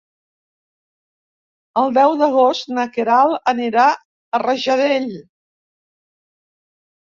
El deu d'agost na Queralt anirà a Rajadell.